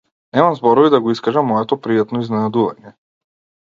Немам зборови да го искажам моето пријатно изненадување.